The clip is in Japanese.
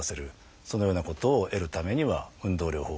そのようなことを得るためには運動療法が必要です。